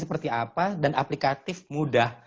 seperti apa dan aplikatif mudah